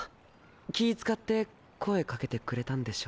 気遣って声かけてくれたんでしょ？